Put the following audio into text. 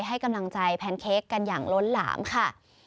ให้กำลังใจแพนเค้กกันอย่างล้นหลามค่ะ